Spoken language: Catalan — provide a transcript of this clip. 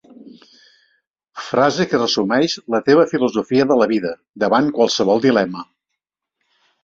Frase que resumeix la teva filosofia de la vida davant qualsevol dilema.